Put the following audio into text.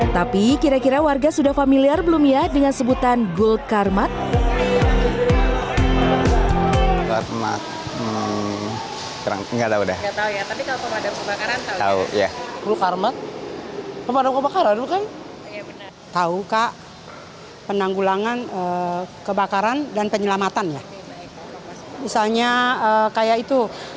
tapi kira kira warga sudah familiar belum ya dengan sebutan gul karmat